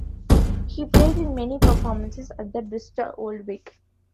He played in many performances at the Bristol Old Vic.